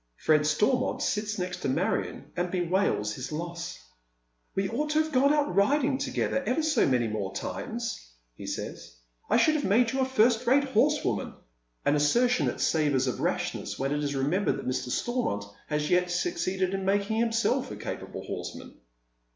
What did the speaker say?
Fred Stormont sits next to Marion and bewails his loss. " We ought to have gone out riding together ever so many times more," he says. " I should have made you a first rate horsewoman," an assertion that savours of rashness when it is remembered that Mr. Stormont has not yet succeeded in making himself a capable horseman.